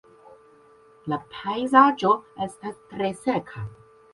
La pejzaĝo estas tre seka.